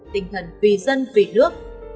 tinh thần tùy dân tùy nước